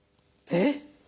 えっ！